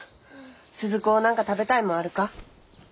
鈴子何か食べたいもんあるか？